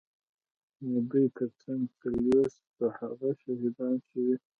د دوی ترڅنګ څلوېښت صحابه شهیدان شوي.